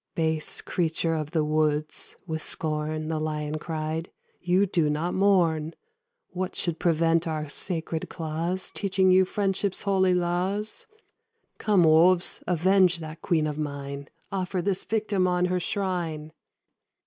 "Base creature of the woods!" with scorn The Lion cried, "you do not mourn! What should prevent our sacred claws Teaching you friendship's holy laws? Come, Wolves, avenge that Queen of mine: Offer this victim on her shrine!"